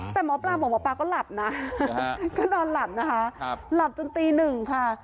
แต่หมอปลาบอกหมอปลาก็หลับนะก็นอนหลับนะคะหลับจนตีหนึ่งค่ะ